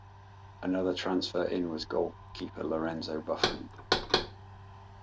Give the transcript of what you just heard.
Another transfer in was goalkeeper Lorenzo Buffon.